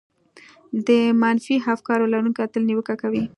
د منفي افکارو لرونکي تل نيوکه کوي.